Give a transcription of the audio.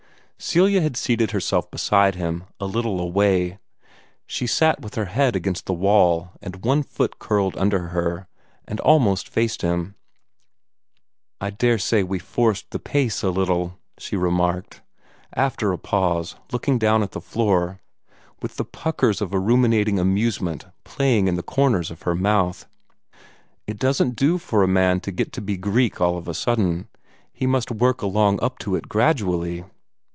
Celia had seated herself beside him, a little away. She sat with her head against the wall, and one foot curled under her, and almost faced him. "I dare say we forced the pace a little," she remarked, after a pause, looking down at the floor, with the puckers of a ruminating amusement playing in the corners of her mouth. "It doesn't do for a man to get to be a Greek all of a sudden. He must work along up to it gradually."